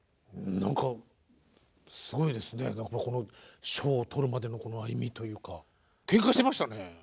何かこの賞を取るまでのこの歩みというかけんかしてましたね。